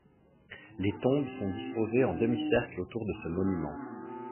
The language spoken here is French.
Les tombes sont disposées en demi cercles autour de ce monument.